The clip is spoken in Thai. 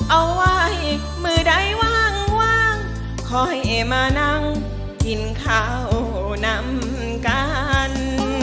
เอาไว้มือใดว่างคอยมานั่งกินข้าวนำกัน